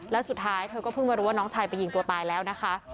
แล้วสุดท้ายเธอก็เพิ่งมารู้ว่าน้องชายไปยิงตัวตายแล้วนะคะ